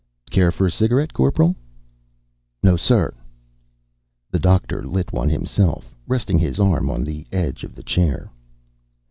"Care for a cigarette, Corporal?" "No, sir." The Doctor lit one himself, resting his arm on the edge of the chair.